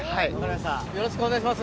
よろしくお願いします。